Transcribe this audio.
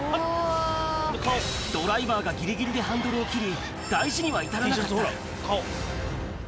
ドライバーがぎりぎりでハンドルを切り、大事には至らなかった。